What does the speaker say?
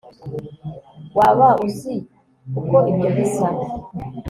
waba uzi uko ibyo bisa